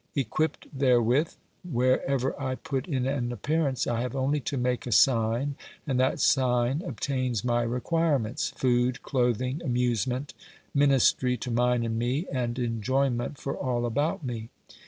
Equipped therewith, wherever I put in an appearance, I have only to make a sign, and that sign obtains my requirements — food, clothing, amusement, ministry to mine and me, and enjoyment for all about me.